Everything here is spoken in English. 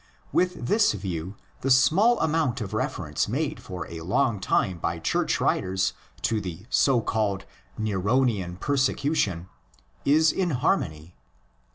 With this view the small amount of reference made for a long time by Church writers to the so called '' Neronian persecution "' is in harmony.!